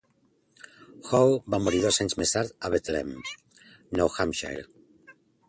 Hall va morir dos anys més tard a Bethlehem, Nou Hampshire.